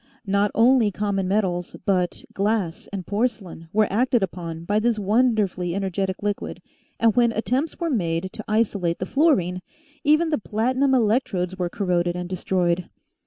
Not only common metals but glass and porcelain were acted upon by this wonderfully ener getic liquid and when attempts were made to isolate the 104 THE ALKAHEST OR UNIVERSAL SOLVENT 105 fluorine, even the platinum electrodes were corroded and destroyed.